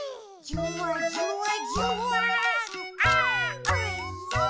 「じゅわじゅわじゅわーんあーおいしい！」